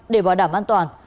để bảo đảm an toàn